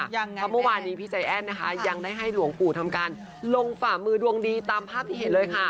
เพราะเมื่อวานนี้พี่ใจแอ้นนะคะยังได้ให้หลวงปู่ทำการลงฝ่ามือดวงดีตามภาพที่เห็นเลยค่ะ